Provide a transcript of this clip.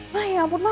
ma ya ampun ma